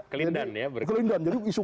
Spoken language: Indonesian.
kelindan ya berarti kelindan jadi isu